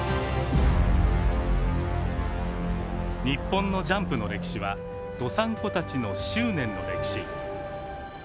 日本のジャンプの歴史はどさんこたちの執念の歴史。